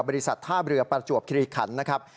บริษัทท่าเรือประจวบคิริขันนะครับ